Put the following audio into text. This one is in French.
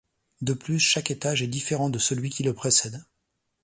De plus chaque étage est différent de celui qui le précède.